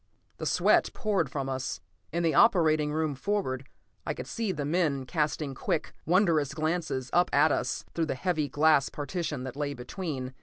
The sweat poured from us. In the operating room forward, I could see the men casting quick, wondering glances up at us through the heavy glass partition that lay between.